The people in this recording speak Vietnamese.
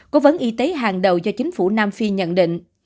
cố vấn y tế hàng đầu do chính phủ nam phi nhận định